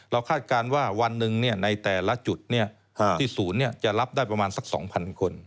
คาดการณ์ว่าวันหนึ่งในแต่ละจุดที่ศูนย์จะรับได้ประมาณสัก๒๐๐คน